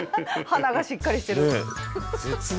鼻がしっかりしてる。